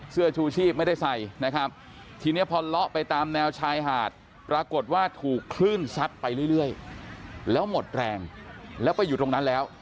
เสื้อชูชีพไม่ได้ใส่นะครับทีนี้พอเลาะไปตามแนวชายหาดปรากฏว่าถูกคลื่นซัดไปเรื่อยแล้วหมดแรงแล้วไปอยู่ตรงนั้นแล้ว